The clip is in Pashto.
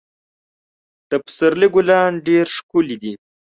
د پسرلي ګلان ډېر ښکلي دي.